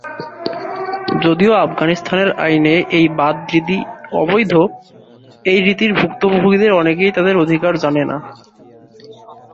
যদিও আফগানিস্তানের আইনে এই বাদ রীতি অবৈধ, এই রীতির ভুক্তভোগীদের অনেকেই তাদের অধিকার জানে না।